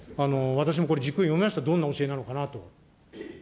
私もこれ、じっくり読みました、どんな教えなのかなと。